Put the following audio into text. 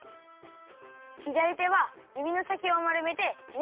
ひだりてはゆびのさきをまるめてね